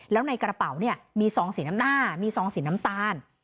แล้วในกระเป๋าเนี่ยมีซองสีน้ำหน้ามีซองสีน้ำตาล